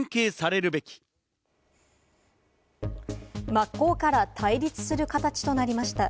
真っ向から対立する形となりました。